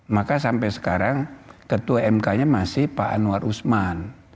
maka sampai sekarang ketua mk nya masih pak anwar usman